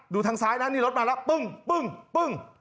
ทางซ้ายนะนี่รถมาแล้วปึ้งปึ้งปึ้ง